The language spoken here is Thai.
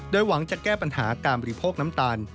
โดยหวังจะแก้ปัญหาการบริโภคน้ำตาล